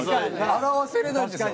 表せれないんですよ。